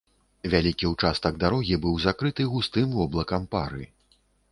Вялікі ўчастак дарогі быў закрыты густым воблакам пары.